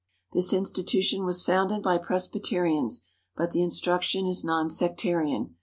This institution was founded by Presbyterians, but the instruction is non sectarian.